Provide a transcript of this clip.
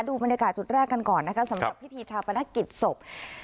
ดูบรรยากาศจุดแรกกันก่อนนะคะสำหรับพิธีชาปนกิจศพ